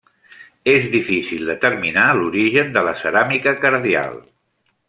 És difícil determinar l'origen de la ceràmica cardial.